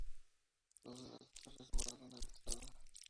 Dos de las torres guardan la entrada.